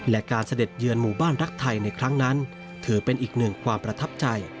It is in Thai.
และการเสด็จเยือนหมู่บ้านรักไทยในครั้งนั้นถือเป็นอีกหนึ่งความประทับใจ